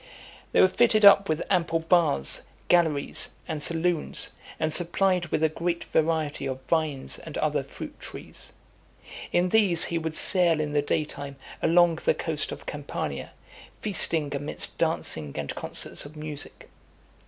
They were fitted up with ample baths, galleries, and saloons, and supplied with a great variety of vines and other fruit trees. In these he would sail in the day time along the coast of Campania, feasting (278) amidst dancing and concerts of music.